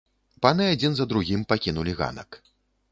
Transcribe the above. Паны адзін за другім пакінулі ганак.